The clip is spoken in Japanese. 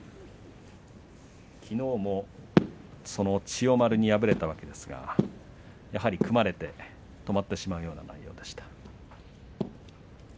きのうも千代丸に敗れたわけですがやはり組まれて止まってしまうような内容でした。